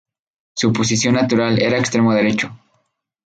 Su posición natural era extremo derecho.